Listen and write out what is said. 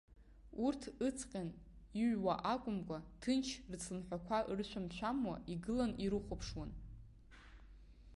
Урҭ ыҵҟьан иҩуа акәымкәа, ҭынч рыцлымҳәақәа ыршәамшәамуа, игыланы ирыхәаԥшуан.